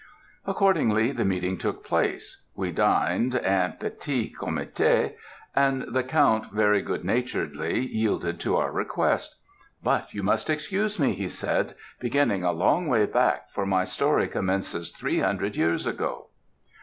Accordingly, the meeting took place; we dined en petit comité, and the Count very good naturedly yielded to our request; "but you must excuse me," he said, "beginning a long way back for my story commences three hundred years ago.